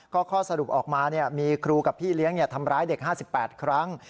ก็ข้อสรุปออกมามีครูกับพี่เลี้ยงทำร้ายเด็ก๕๘ครั้ง